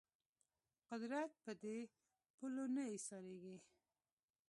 قدرت په دې پولو نه ایسارېږي